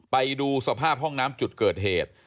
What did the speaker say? ไปดูสภาพห้องน้ำจุดเกิดเหตุ